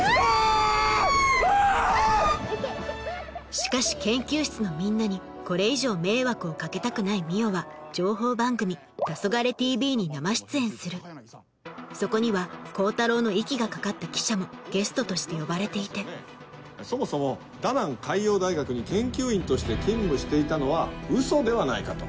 しかし研究室のみんなにこれ以上迷惑を掛けたくない海音は情報番組『たそがれＴＶ』に生出演するそこには光太郎の息がかかった記者もゲストとして呼ばれていてそもそもダナン海洋大学に研究員として勤務していたのはウソではないかと。